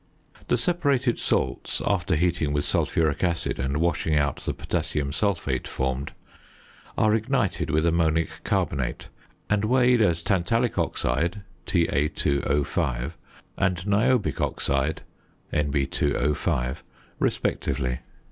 The separated salts (after heating with sulphuric acid and washing out the potassium sulphate formed) are ignited with ammonic carbonate, and weighed as tantalic oxide (Ta_O_) and niobic oxide (Nb_O_) respectively.